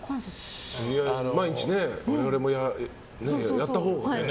毎日我々もやったほうがね。